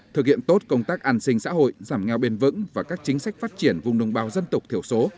thực hiện tốt công tác an sinh xã hội giảm ngao bền vững và các chính sách phát triển vùng nông bào dân tục thiểu số